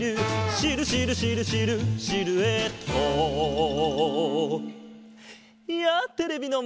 「シルシルシルシルシルエット」やあテレビのまえのみんな！